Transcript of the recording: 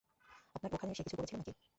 আপনার ওখানে সে কিছু করেছিল নাকি?